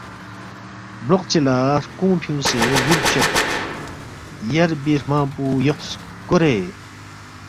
بلوق چی لا ہرکونگ فیونگسے یول فچوید یربی ہرمنگپو یوق سکورے